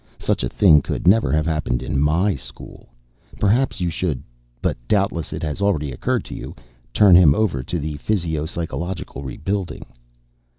Such a thing could never have happened in my school. Perhaps you should but doubtless it has already occurred to you turn him over to physio psychological rebuilding?"